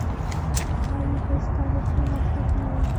ښايي هېڅ تاریخي مدرک ونه لري.